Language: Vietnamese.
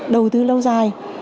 đầu tư lâu dài